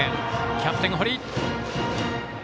キャプテン、堀。